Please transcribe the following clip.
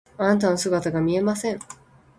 あなたの姿が見えません。